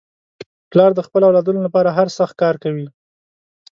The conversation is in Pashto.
پلار د خپلو اولادنو لپاره هر سخت کار کوي.